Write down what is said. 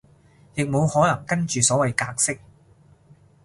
亦無可能跟住所謂格式